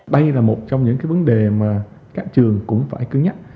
đây là một trong những cái vấn đề mà các trường cũng phải cân nhắc